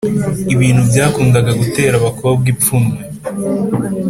ibintu byakundaga gutera abakobwa ipfunwe